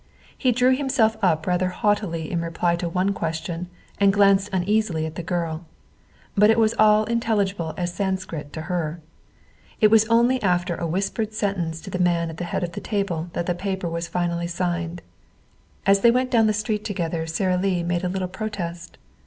He drew himself up rather haughtily in reply to one question, and glanced uneasily at the girl. But it was all as intelligible as Sanskrit to her. It was only after a whispered sentence to the man at the head of the table that the paper was finally signed. As they went down to the street together Sara Lee made a little protest.